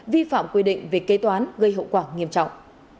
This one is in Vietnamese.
vi phạm quy định về kế toán gây hậu quả nghiêm trọng